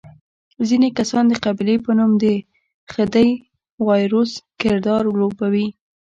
ځینې کسان د قبیلې په نوم د خدۍ د وایروس کردار لوبوي.